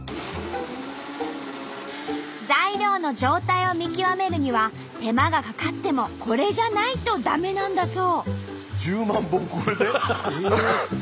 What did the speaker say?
材料の状態を見極めるには手間がかかってもこれじゃないと駄目なんだそう。